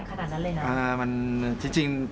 ฟิตแบบขนาดนั้นเลยนะ